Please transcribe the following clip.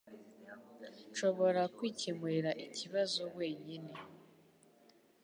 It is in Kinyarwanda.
Nshobora kwikemurira ikibazo wenyine